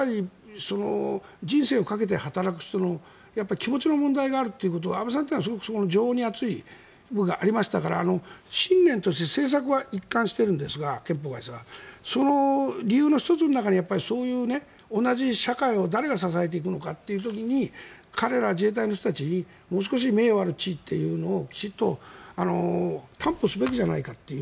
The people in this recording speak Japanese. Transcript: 人生をかけて働く人の気持ちの問題があるというところ安倍さんは、すごく情に厚い部分もありましたから信念として政策は一貫しているんですがその理由の１つの中にそういう同じ社会を誰が支えていくのかという時に彼ら自衛隊の人たちにもう少し名誉ある地位というのを担保すべきじゃないかと。